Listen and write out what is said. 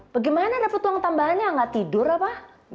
bagaimana dapat uang tambahan yang enggak tidur apa